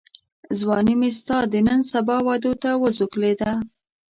ځواني مي ستا د نن سبا وعدو ته وزوکلېده